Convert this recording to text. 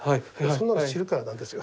そんなの知るかなんですよ。